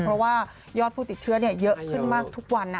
เพราะว่ายอดผู้ติดเชื้อเยอะขึ้นมากทุกวันนะ